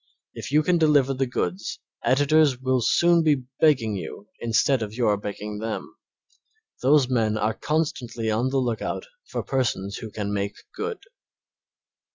If you can deliver the goods editors will soon be begging you instead of your begging them. Those men are constantly on the lookout for persons who can make good.